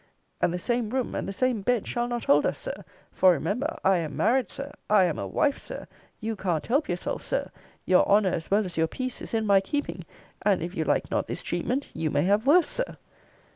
And the same room, and the same bed, shall not hold us, Sir! For, remember, I am married, Sir! I am a wife, Sir! You can't help yourself, Sir! Your honour, as well as your peace, is in my keeping! And, if you like not this treatment, you may have worse, Sir!